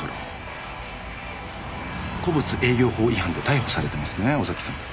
古物営業法違反で逮捕されてますね尾崎さん。